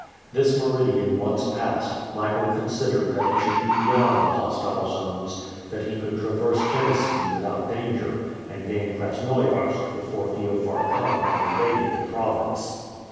This meridian once passed, Michael considered that he should be beyond the hostile zones, that he could traverse Genisci without danger, and gain Krasnoiarsk before Feofar Khan had invaded the province.